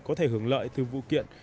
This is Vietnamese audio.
có thể hưởng lợi từ vụ kiện